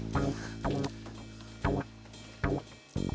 nanti gak mau bobot